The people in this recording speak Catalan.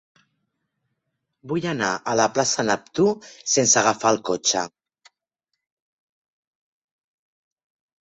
Vull anar a la plaça de Neptú sense agafar el cotxe.